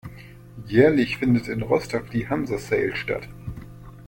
Jährlich findet in Rostock die Hanse Sail statt.